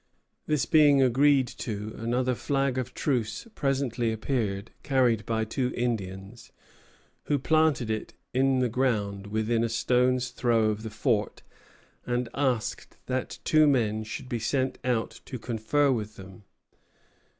This being agreed to, another flag of truce presently appeared, carried by two Indians, who planted it in the ground within a stone's throw of the fort, and asked that two men should be sent out to confer with them.